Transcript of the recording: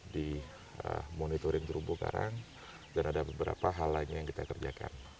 di monitoring terumbu karang dan ada beberapa hal lainnya yang kita kerjakan